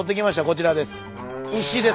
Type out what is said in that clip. こちらです。